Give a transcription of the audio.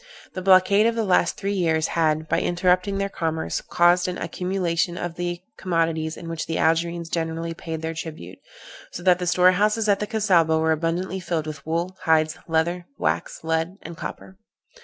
The blockade of the last three years had, by interrupting their commerce, caused an accumulation of the commodities in which the Algerines generally paid their tribute, so that the storehouses at the Cassaubah were abundantly filled with wool, hides, leather, wax, lead and copper.